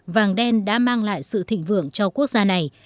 vàng đen đã mang lại sự thịnh vượng cho quốc gia này